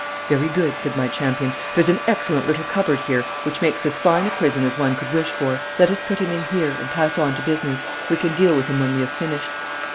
'Very good,' said my champion. 'There's an excellent little cupboard here which makes as fine a prison as one could wish for. Let us put him in here, and pass on to business. We can deal with him when we have finished.'